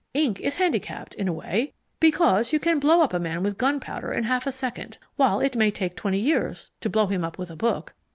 Ink is handicapped, in a way, because you can blow up a man with gunpowder in half a second, while it may take twenty years to blow him up with a book.